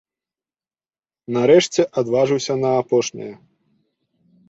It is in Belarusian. Нарэшце, адважыўся на апошняе.